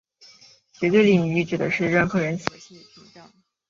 绝对领域指的就是任何人心里的心理屏障。